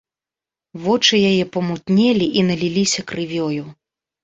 Вочы яе памутнелі і наліліся крывёю.